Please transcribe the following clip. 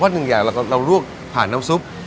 หนึ่งอย่างเราลวกผ่านน้ำซุป